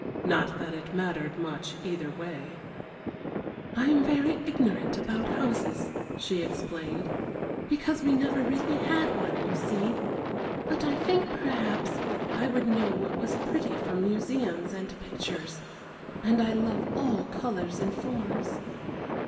Not that it mattered much either way. "I am very ignorant about houses," she explained, "because we never really had one, you see, but I think, perhaps, I would know what was pretty from museums and pictures and I love all colors and forms."